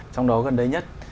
trong đó gần đây nhất